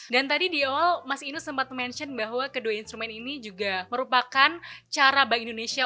dan tadi di awal mas inu sempat mention bahwa kedua instrumen ini juga merupakan cara bank indonesia